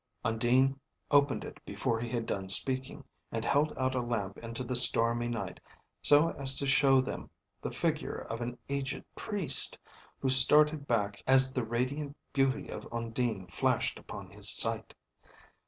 Undine opened it before he had done speaking, and held out a lamp into the stormy night, so as to show them the figure of an aged Priest, who started back as the radiant beauty of Undine flashed upon his sight.